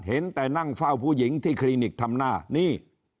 เห็นแต่นั่งเฝ้าผู้หญิงที่คลินิกทำหน้านี่